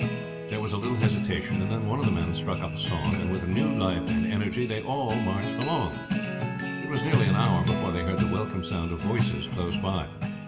There was a little hesitation, and then one of the men struck up a song, and with renewed life and energy they all marched along. It was nearly an hour before they heard the welcome sound of voices close by.